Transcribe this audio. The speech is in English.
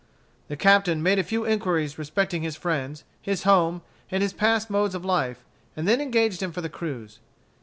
The captain made a few inquiries respecting his friends, his home, and his past modes of life, and then engaged him for the cruise.